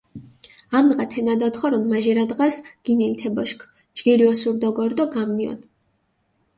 ამდღა თენა დოთხორუნ, მაჟირა დღას გინილჷ თე ბოშქ, ჯგირი ოსური დოგორჷ დო გამნიჸონჷ.